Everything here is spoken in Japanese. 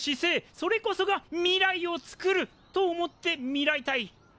それこそが未来を作ると思ってみらいたい。